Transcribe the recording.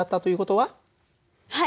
はい！